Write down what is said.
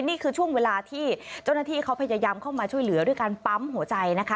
นี่คือช่วงเวลาที่เจ้าหน้าที่เขาพยายามเข้ามาช่วยเหลือด้วยการปั๊มหัวใจนะคะ